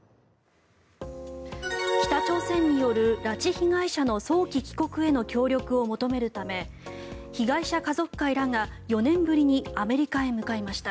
北朝鮮による拉致被害者の早期帰国への協力を求めるため被害者家族会らが４年ぶりにアメリカへ向かいました。